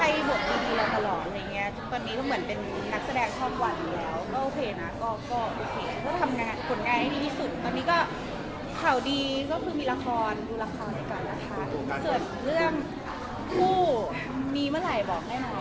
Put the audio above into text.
แปลเราเนี้ยมากก็ให้บทดีรับหลอมอะไรเงี้ยจนตอนนี้ก็เหมือนเป็นนักแสดงท่อมหวันแล้วก็โอเคนะก็ก็โอเคก็ทำงานก่อนง่ายให้ดีที่สุดตอนนี้ก็ข่าวดีก็คือมีละครดูละครในการรัฐาส่วนเรื่องผู้มีเมื่อไหร่บอกได้ไหม